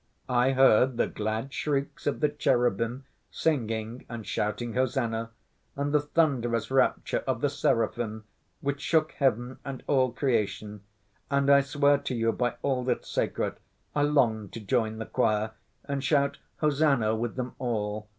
I heard the glad shrieks of the cherubim singing and shouting hosannah and the thunderous rapture of the seraphim which shook heaven and all creation, and I swear to you by all that's sacred, I longed to join the choir and shout hosannah with them all.